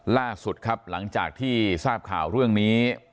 ล่าสุดครับหลังจากที่ทราบข่าวเรื่องนี้